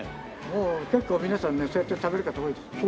もう結構皆さんねそうやって食べる方多いですね。